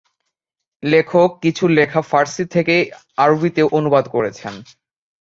লেখক কিছু লেখা ফারসি থেকে আরবীতে অনুবাদ করেছেন।